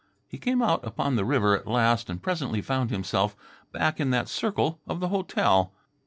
He came out upon the river at last and presently found himself back in that circle of the hotel.